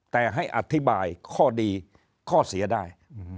แต่ให้อธิบายข้อดีข้อเสียได้